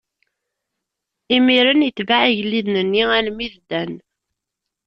Imiren itbeɛ igelliden-nni armi d Dan.